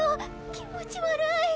気持ち悪い。